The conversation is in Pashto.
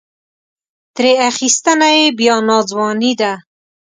ترې اخیستنه یې بیا ناځواني ده.